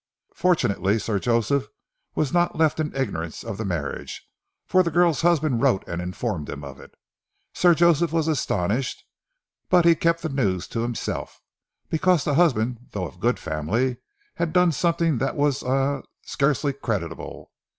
"Fortunately Sir Joseph was not left in ignorance of the marriage, for the girl's husband wrote and informed him of it. Sir Joseph was astonished; but he kept the news to himself, because the husband, though of good family, had done something that was er scarcely creditable.